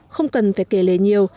không cần phải kể lấy nhiều